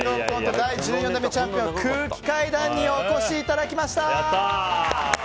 第１４代チャンピオン空気階段にお越しいただきました。